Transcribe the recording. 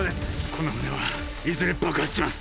この船はいずれ爆発します